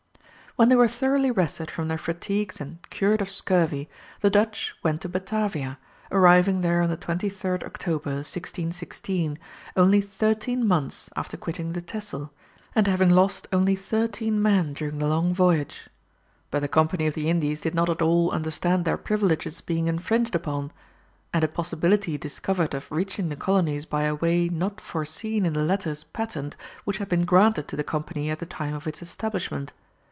When they were thoroughly rested from their fatigues and cured of scurvy, the Dutch went to Batavia, arriving there on the 23rd October, 1616, only thirteen months after quitting the Texel, and having lost only thirteen men during the long voyage. But the Company of the Indies did not at all understand their privileges being infringed upon, and a possibility discovered of reaching the colonies by a way not foreseen in the letters patent which had been granted to the Company at the time of its establishment.